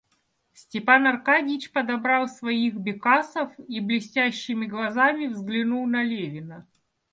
Степан Аркадьич подобрал своих бекасов и блестящими глазами взглянул на Левина.